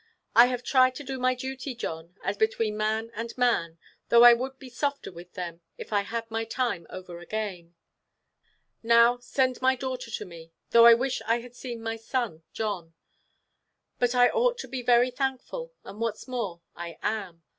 I have tried to do my duty, John, as between man and man: though I would be softer with them, if I had my time over again. Now send my daughter to me, though I wish I had seen my son, John. But I ought to be very thankful, and what's more, I am.